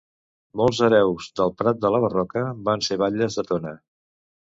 Molts hereus del Prat de la Barroca van ser batlles de Tona.